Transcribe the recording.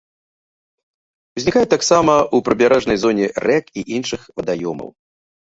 Узнікаюць таксама ў прыбярэжнай зоне рэк і іншых вадаёмаў.